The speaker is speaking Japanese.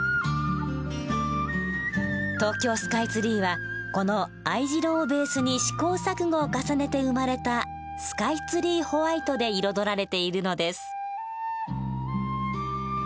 東京スカイツリーはこの藍白をベースに試行錯誤を重ねて生まれた「スカイツリーホワイト」で彩られているのです。